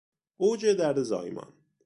اوج درد زایمان